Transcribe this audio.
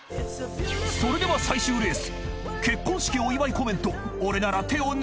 ［それでは最終レース］